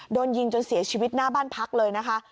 โดนยิงจนเสียชีวิตหน้าบ้านพักเลยนะคะ